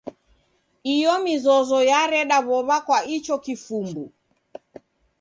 Iyo mizozo yareda w'ow'a kwa icho kifumbu.